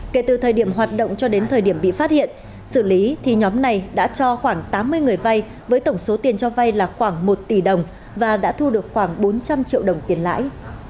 kể từ thời điểm hoạt động cho đến thời điểm bị phát hiện xử lý thì nhóm này đã cho khoảng tám mươi người vay với tổng số tiền cho vay là khoảng một tỷ đồng và đã thu được khoảng bốn trăm linh triệu đồng tiền lãi